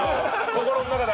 心の中で。